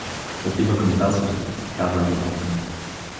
— Отива към Тасос — каза Адамов.